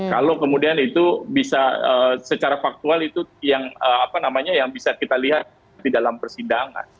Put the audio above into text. kalau kemudian itu bisa secara faktual itu yang bisa kita lihat di dalam persidangan